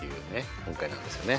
音階なんですよね。